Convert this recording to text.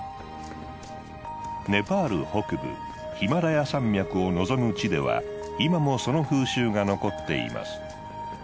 ネパール北部ヒマラヤ山脈を望む地では今もその風習が残っています。